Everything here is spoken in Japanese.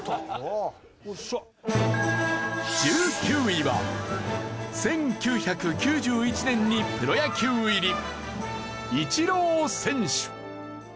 １９位は１９９１年にプロ野球入りイチロー選手。